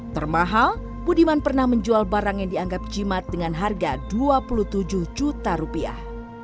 termahal budiman pernah menjual barang yang dianggap jimat dengan harga dua puluh tujuh juta rupiah